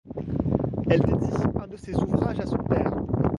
Elle dédie un de ses ouvrages à son père.